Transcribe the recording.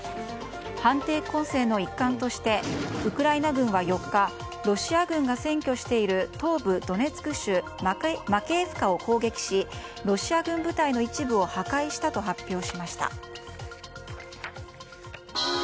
反転攻勢の一環としてウクライナ軍は４日ロシア軍が占拠している東部ドネツク州マケエフカを攻撃しロシア軍部隊の一部を破壊したと発表しました。